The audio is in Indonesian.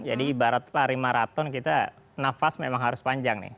jadi ibarat pari maraton kita napas memang harus panjang